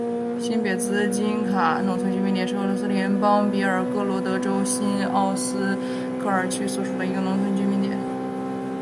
新别兹金卡农村居民点是俄罗斯联邦别尔哥罗德州新奥斯科尔区所属的一个农村居民点。